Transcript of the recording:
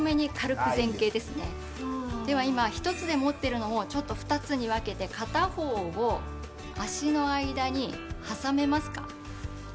では今１つで持ってるのをちょっと２つに分けて片方を足の間に挟めますか？